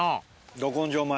ど根性米。